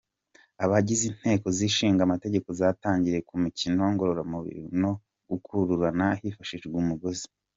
Abagize inteko zishinga amategeko zatangiriye ku mikino ngororamubiri no gukururana hifashishijwe umugozi.